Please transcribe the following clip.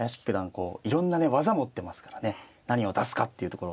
こういろんなね技持ってますからね何を出すかっているところをね